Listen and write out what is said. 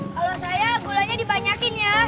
kalau saya gulanya dibanyakin ya